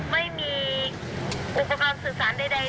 ไม่มีอุปกรณ์สื่อสารใด